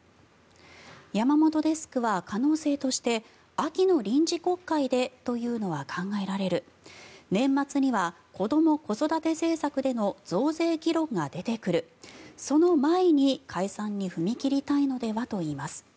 山本デスクは可能性として秋の臨時国会でというのは考えられる年末にはこども・子育て政策での増税議論が出てくるその前に解散に踏み切りたいのではといいます。